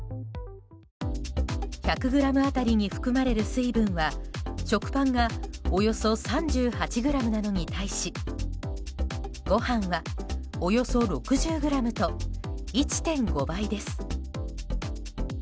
１００ｇ当たりに含まれる水分は食パンがおよそ３８ｇなのに対しご飯は、およそ６０ｇと１．５倍です。